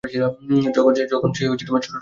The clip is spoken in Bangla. যখন সে ছোট ছিল।